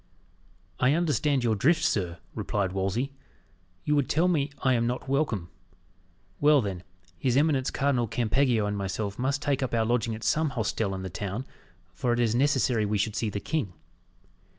"I understand your drift, sir," replied Wolsey; "you would tell me I am not welcome. Well, then, his eminence Cardinal Campeggio and myself must take up our lodging at some hostel in the town, for it is necessary we should see the king."